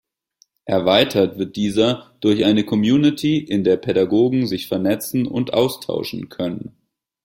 Erweitert wird dieser durch eine Community, in der Pädagogen sich vernetzen und austauschen können.